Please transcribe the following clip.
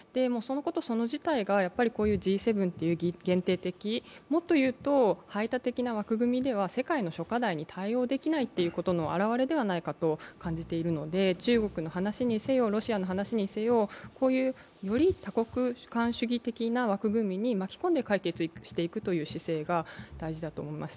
それ事態が、Ｇ７という限定的、もっと言うと、排他的な枠組みでは世界の諸課題に対応できないということの表れではないかと感じているので、中国の話にせよ、ロシアの話にせよこういう、より多国間主義的な枠組みに巻き込んで解決していくという姿勢が大事だと思います。